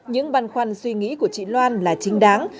những băn khoăn suy nghĩ của chị loan là chính đáng